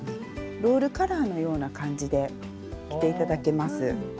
ロールカラーのような感じで着て頂けます。